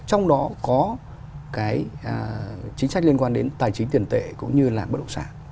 trong đó có cái chính sách liên quan đến tài chính tiền tệ cũng như là bất động sản